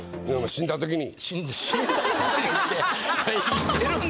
死んだ時に。